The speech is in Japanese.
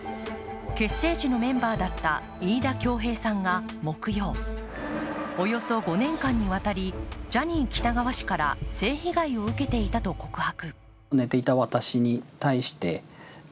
結成時のメンバーだった飯田恭平さんが木曜、およそ５年間にわたりジャニー喜多川氏から性被害を受けていたと告白。